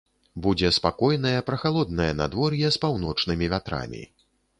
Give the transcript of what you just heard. Будзе спакойнае прахалоднае надвор'е з паўночнымі вятрамі.